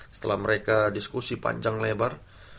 setelah mereka diskusi panjang lebar